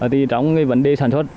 vì trong vấn đề sản xuất